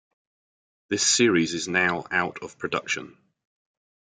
This series is now out of production.